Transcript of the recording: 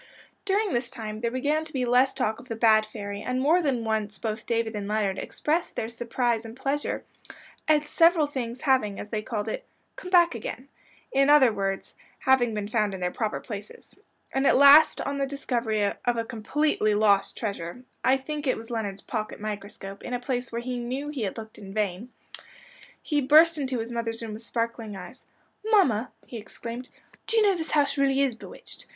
During this time there began to be less talk of "the bad fairy," and more than once both David and Leonard expressed their surprise and pleasure at several things having, as they called it, "come back again;" in other words, having been found in their proper places. And at last on the discovery of a "completely lost" treasure I think it was Leonard's pocket microscope in a place where he "knew" he had looked in vain, he burst into his mother's room with sparkling eyes. "Mamma," he exclaimed, "do you know this house really is bewitched?